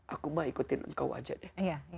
aku mah ikutin engkau aja deh